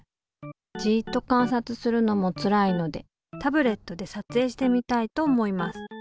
じっと観察するのもつらいのでタブレットでさつえいしてみたいと思います。